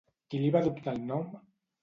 Qui li va adoptar el nom?